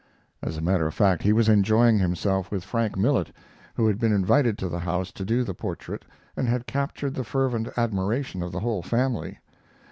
As a matter of fact, he was enjoying himself with Frank Millet, who had been invited to the house to do the portrait and had captured the fervent admiration of the whole family.